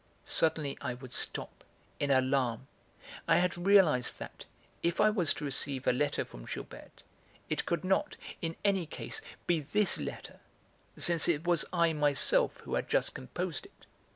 Suddenly I would stop, in alarm. I had realised that, if I was to receive a letter from Gilberte, it could not, in any case, be this letter, since it was I myself who had just composed it.